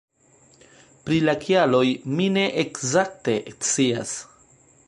Pri la kialoj mi ne ekzakte scias.